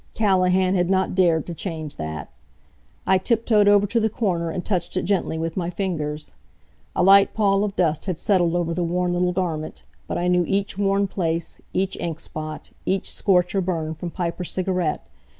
Callahan had not dared to change that. I tip toed over to the corner and touched it gently with my fingers. A light pall of dust had settled over the worn little garment, but I knew each worn place, each ink spot, each scorch or burn from pipe or cigarette.